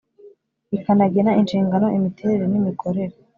Rikanagena inshingano imiterere n imikorere